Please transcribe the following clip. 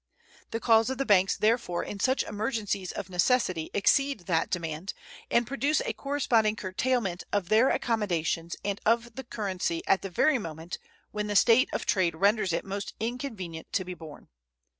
The calls of the banks, therefore, in such emergencies of necessity exceed that demand, and produce a corresponding curtailment of their accommodations and of the currency at the very moment when the state of trade renders it most inconvenient to be borne.